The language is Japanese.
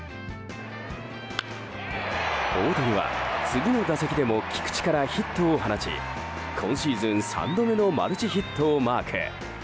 大谷は、次の打席でも菊池からヒットを放ち今シーズン３度目のマルチヒットをマーク。